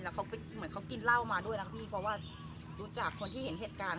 แล้วเขาเหมือนเขากินเหล้ามาด้วยนะครับพี่เพราะว่ารู้จักคนที่เห็นเหตุการณ์